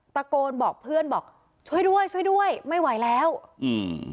ตะโกนบอกเพื่อนบอกช่วยด้วยช่วยด้วยไม่ไหวแล้วอืม